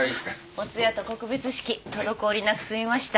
お通夜と告別式滞りなく済みました。